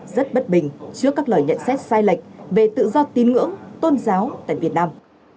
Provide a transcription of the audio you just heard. rất bất bình trước các lời nhận xét sai lệch về tự do tín ngưỡng tôn giáo tại việt nam